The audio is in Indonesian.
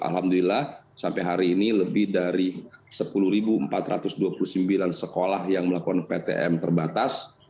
alhamdulillah sampai hari ini lebih dari sepuluh empat ratus dua puluh sembilan sekolah yang melakukan ptm terbatas